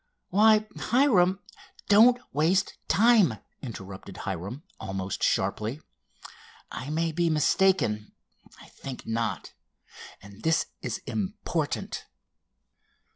"Why, Hiram——" "Don't waste time!" interrupted Hiram almost sharply. "I may be mistaken—I think not, and this is important."